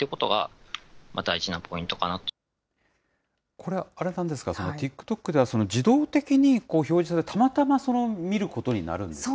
これはあれなんですか、ＴｉｋＴｏｋでは、自動的に表示されて、たまたま見ることになるんですか。